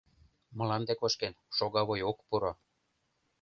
Мланде кошкен, шогавуй ок пуро.